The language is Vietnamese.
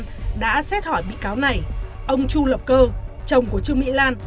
trương mỹ lan đã xét hỏi bị cáo này ông chu lập cơ chồng của trương mỹ lan